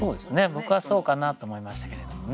僕はそうかなと思いましたけれどもね。